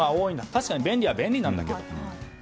確かに便利は便利なんだけども。